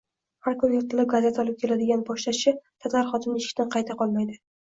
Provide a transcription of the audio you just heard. Har kuni ertalab gazeta olib keladigan pochtachi— tatar xotin eshikdan qayta qolmaydi.